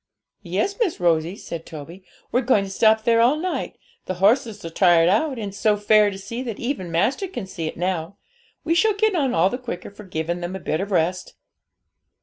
'Yes, Miss Rosie,' said Toby; 'we're going to stop there all night; the horses are tired out, and it's so fair to see, that even master can see it now. We shall get on all the quicker for giving them a bit of rest.'